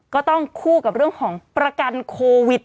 ก็ต้องคู่กับเรื่องของประกันโควิด